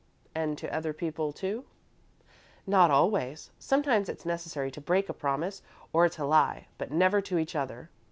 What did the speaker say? "And to other people, too?" "Not always. Sometimes it's necessary to break a promise, or to lie, but never to each other.